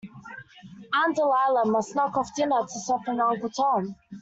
Aunt Dahlia must knock off dinner to soften Uncle Tom.